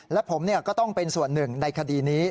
และผมก็ต้องเป็นส่วนหนึ่งในคดีนี้